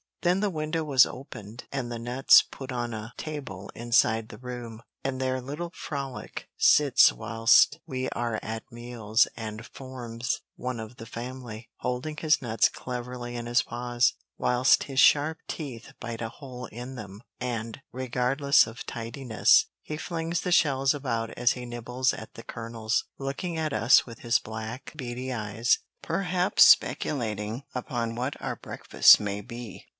Then the window was opened and the nuts put on a table inside the room, and there little "Frolic" sits whilst we are at meals and forms one of the family, holding his nuts cleverly in his paws, whilst his sharp teeth bite a hole in them, and, regardless of tidiness, he flings the shells about as he nibbles at the kernels, looking at us with his black, beady eyes, perhaps speculating upon what our breakfast may be.